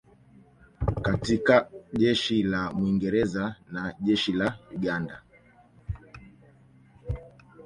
katika Jeshi la Mwingereza na Jeshi la Uganda